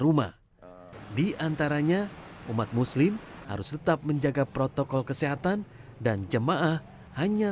rumah diantaranya umat muslim harus tetap menjaga protokol kesehatan dan jemaah hanya